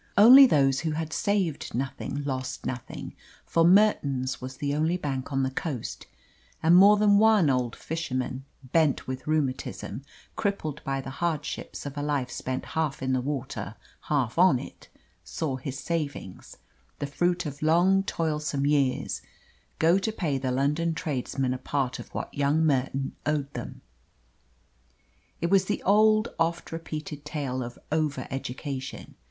Only those who had saved nothing lost nothing, for Merton's was the only bank on the coast; and more than one old fisherman bent with rheumatism, crippled by the hardships of a life spent half in the water, half on it saw his savings the fruit of long toilsome years go to pay the London tradesmen a part of what young Merton owed them. It was the old, oft repeated tale of over education.